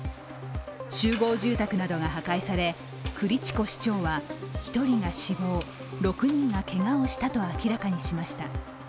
集合住宅などが破壊されクリチコ市長は１人が死亡、６人がけがをしたと明らかにしました。